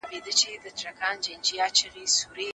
ایا ساینسي علوم یوازي په لابراتوار کي وي؟